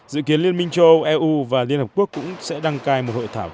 dự kiến liên minh châu âu eu và liên hợp quốc cũng sẽ đăng cai một hội thảo